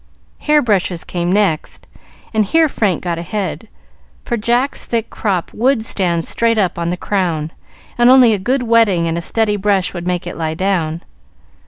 Hair brushes came next, and here Frank got ahead, for Jack's thick crop would stand straight up on the crown, and only a good wetting and a steady brush would make it lie down.